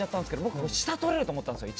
僕、一番下取れると思ったんですよ。